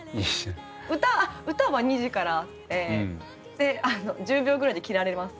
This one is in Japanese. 歌は２次からあって１０秒ぐらいで切られます。